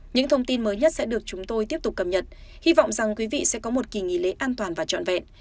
những thông tin mới nhất sẽ được chúng tôi tiếp tục cập nhật hy vọng rằng quý vị sẽ có một kỳ nghỉ lễ an toàn và trọn vẹn